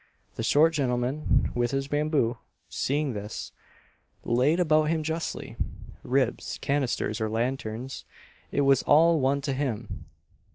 The short gentleman with his bamboo, seeing this, laid about him lustily ribs, canisters, or lanterns, it was all one to him.